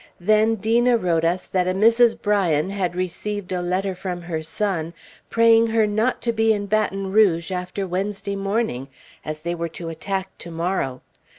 Then Dena wrote us that a Mrs. Bryan had received a letter from her son, praying her not to be in Baton Rouge after Wednesday morning, as they were to attack to morrow.